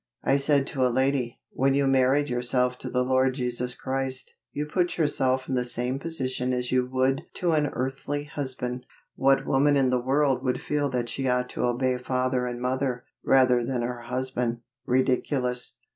I said to a lady, "When you married yourself to the Lord Jesus Christ, you put yourself in the same position as you would to an earthly husband." What woman in the world would feel that she ought to obey father and mother, rather than her husband? Ridiculous!